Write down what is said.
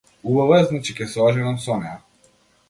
Убава е значи ќе се оженам со неа.